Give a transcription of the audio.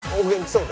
そう。